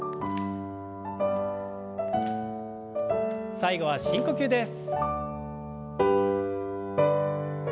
最後は深呼吸です。